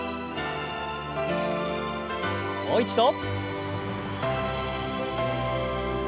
もう一度。